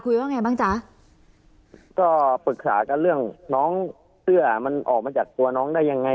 ว่าไงบ้างจ๊ะก็ปรึกษากันเรื่องน้องเสื้อมันออกมาจากตัวน้องได้ยังไง